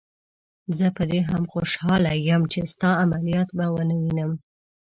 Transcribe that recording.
زه په دې هم خوشحاله یم چې ستا عملیات به ونه وینم.